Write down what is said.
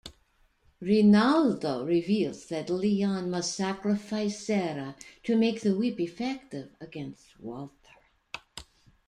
Rinaldo reveals that Leon must sacrifice Sara to make the whip effective against Walter.